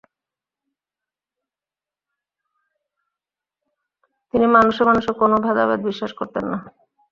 তিনি মানুষে-মানুষে কোনও ভেদাভেদে বিশ্বাস করতেন না।